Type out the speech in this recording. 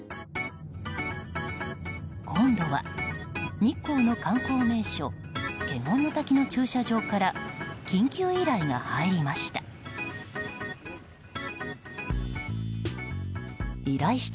今度は、日光の観光名所華厳の滝の駐車場から緊急依頼が入りました。